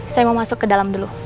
saya mau masuk ke dalam dulu